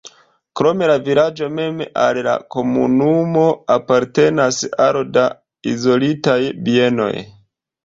Krom la vilaĝo mem al la komunumo apartenas aro da izolitaj bienoj.